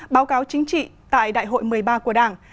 báo cáo chính trị tại đại hội một mươi ba của đảng